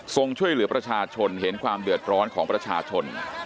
ช่วยเหลือประชาชนเห็นความเดือดร้อนของประชาชน